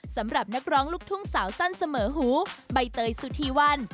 สำหรับนักร้องลูกทุ่งสาวสั้นเสมอหูใบเตยสุธีวัน